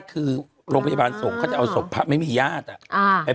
ก็คืออะไรรู้มั้ยเผาสพภรรย์ไม่มีญาติ